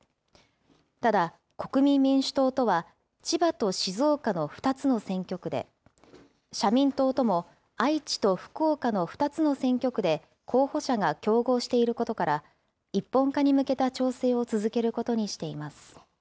ただ、国民民主党とは、千葉と静岡の２つの選挙区で、社民党とも愛知と福岡の２つの選挙区で候補者が競合していることから、一本化に向けた調整を続けることにしています。